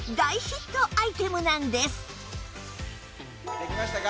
できましたか？